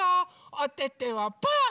おててはパー！